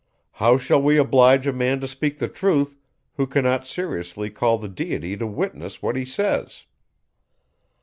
How shall we oblige a man to speak the truth, who cannot seriously call the Deity to witness what he says?